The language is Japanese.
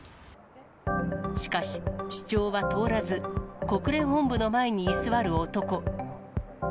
しかし、主張は通らず、国連本部の前に居座る男。